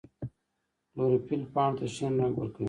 کلوروفیل پاڼو ته شین رنګ ورکوي